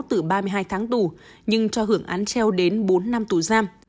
từ ba mươi hai tháng tù nhưng cho hưởng án treo đến bốn năm tù giam